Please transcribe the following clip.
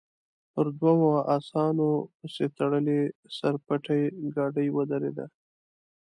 پر دوو اسانو پسې تړلې سر پټې ګاډۍ ودرېده.